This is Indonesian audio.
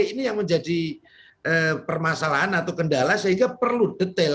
ini yang menjadi permasalahan atau kendala sehingga perlu detail